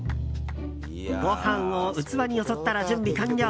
ご飯を器によそったら準備完了。